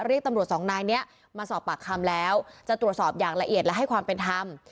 เรียกตำรวจสองนายนี้มาสอบปากคำแล้วจะตรวจสอบอย่างละเอียดและให้ความเป็นธรรม